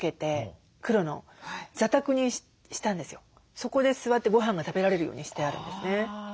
そこで座ってごはんが食べられるようにしてあるんですね。